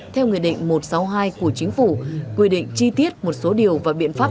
theo nguyên định một trăm sáu mươi hai của chính phủ quy định chi tiết một số điều và biện pháp